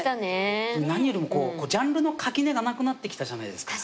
何よりもジャンルの垣根がなくなってきたじゃないですか。